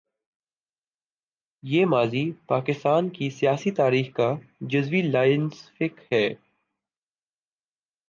یہ ماضی پاکستان کی سیاسی تاریخ کا جزو لا ینفک ہے۔